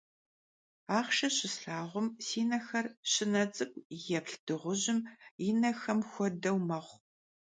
Axhşşe şıslhağum si nexer şıne ts'ık'u yêplh dığujım yi nexem xuedeu mexhu.